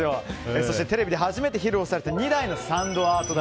そしてテレビで初めて披露された２台のサンドアート台。